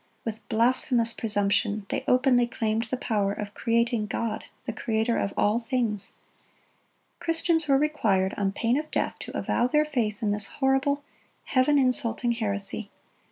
(94) With blasphemous presumption, they openly claimed the power of creating God, the Creator of all things. Christians were required, on pain of death, to avow their faith in this horrible, Heaven insulting heresy.